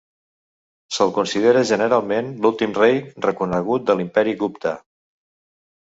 Se'l considera, generalment, l'últim rei reconegut de l'Imperi Gupta.